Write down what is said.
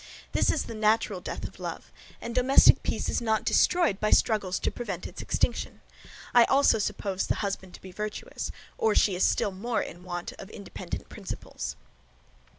This is the natural death of love, and domestic peace is not destroyed by struggles to prevent its extinction. I also suppose the husband to be virtuous; or she is still more in want of independent principles.